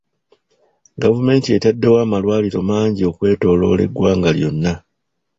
Gavumenti etaddewo amalwaliro mangi okwetooloola eggwanga lyonna.